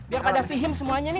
biar pada vihim semuanya nih